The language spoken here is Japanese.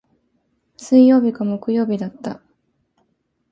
水曜日か木曜日だった。